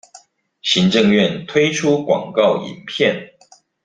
行政院推出廣告影片